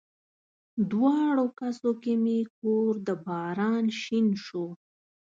دواړو کسو کې مې کور د باران شین شو